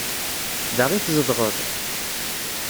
Da i tzedɣeḍ?